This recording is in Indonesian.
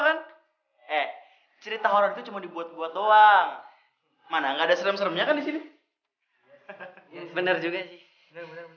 gimana pas kita buka pintunya langsung diminta keluarga gitu